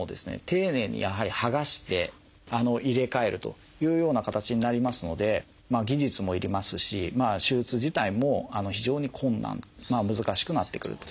丁寧にやはり剥がして入れ替えるというような形になりますので技術も要りますし手術自体も非常に困難難しくなってくると。